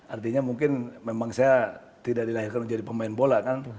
artinya mungkin memang saya tidak dilahirkan menjadi pemain bola kan